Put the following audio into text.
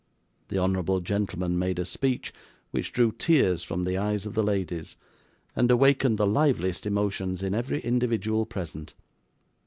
The honourable gentleman made a speech which drew tears from the eyes of the ladies, and awakened the liveliest emotions in every individual present.